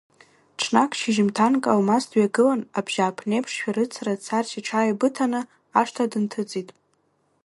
Ҽнак, шьыжьымҭанк Алмас дҩагылан, абжьааԥны еиԥш, шәарыцара дцарц иҽааибыҭаны ашҭа дынҭыҵит.